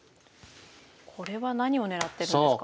これは何を狙ってるんですか？